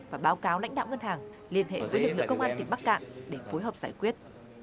và báo cáo lãnh đạo ngân hàng liên hệ với lực lượng công an tỉnh bắc cạn để phối hợp giải quyết